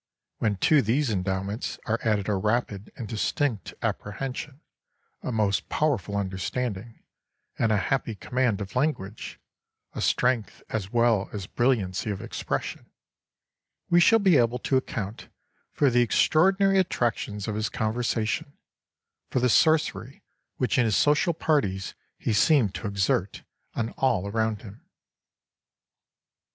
When to these endowments are added a rapid and distinct apprehension, a most powerful understanding, and a happy command of language of strength as well as brilliancy of expression we shall be able to account for the extraordinary attractions of his conversation for the sorcery which in his social parties he seemed to exert on all around him."